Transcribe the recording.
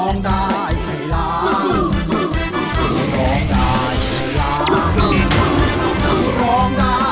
ร้องได้ให้ล้าน